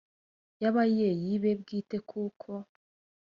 y abayeyi be bwite kuko